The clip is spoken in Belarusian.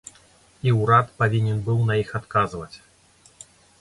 І ўрад павінен быў на іх адказваць.